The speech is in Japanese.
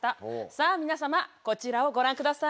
さあ皆様こちらをご覧ください。